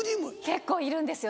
結構いるんですよ。